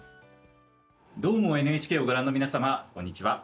「どーも、ＮＨＫ」をご覧の皆様、こんにちは。